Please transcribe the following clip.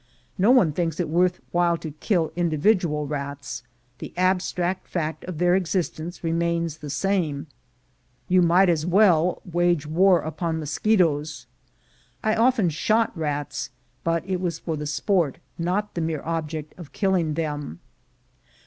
No one thinks it worth while to kill individual rats — the abstract fact of their existence remains the same; you might as well wage war upon mosquitoes. I often shot rats, but it was for the sport, not for the mere object of killing them.